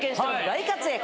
大活躍。